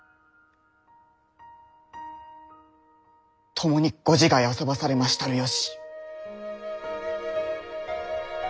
共にご自害あそばされましたる由。